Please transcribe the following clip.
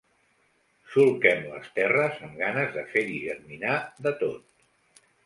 Solquem les terres amb ganes de fer-hi germinar de tot.